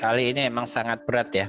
kali ini memang sangat berat ya